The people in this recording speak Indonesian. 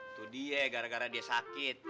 itu dia gara gara dia sakit